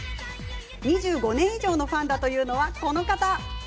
２５年以上のファンだというのはこちらの方。